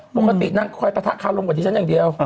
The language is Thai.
ปกตินั่งคอยปะทะคาวลงกว่าที่ฉันอย่างเดียว